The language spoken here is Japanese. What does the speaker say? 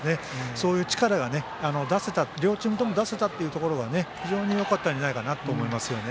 そういう力が両チームとも出せたというところが非常によかったんじゃないかなと思いますよね。